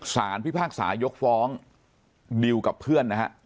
พิพากษายกฟ้องดิวกับเพื่อนนะฮะ